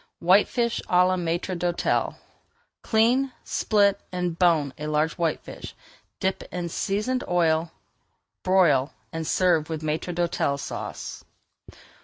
WHITEFISH À LA MAÎTRE D'HÔTEL Clean, split, and bone a large whitefish, dip in seasoned oil, broil, [Page 447] and serve with Maître d'Hôtel Sauce.